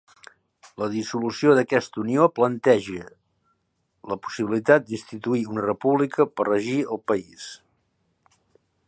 La dissolució d'aquesta unió plantejà la possibilitat d'instituir una república per regir el país.